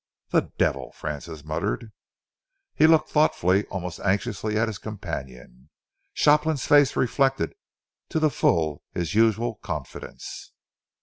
"The devil!" Francis muttered. He looked thoughtfully, almost anxiously at his companion. Shopland's face reflected to the full his usual confidence.